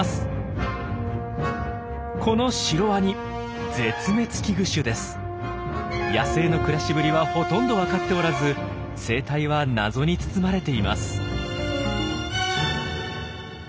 このシロワニ野生の暮らしぶりはほとんどわかっておらず生態は謎に包まれています。